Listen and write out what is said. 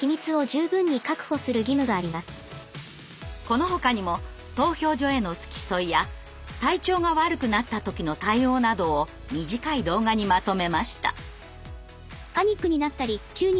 このほかにも投票所への付き添いや体調が悪くなった時の対応などを短い動画にまとめました。